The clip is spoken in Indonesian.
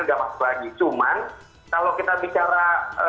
udah masuk lagi cuman kalau kita bicara